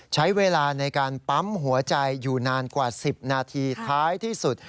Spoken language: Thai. ใช้เวลาในการปั๊มหัวใจอยู่นานกว่า๑๐นาทีท้ายที่สุด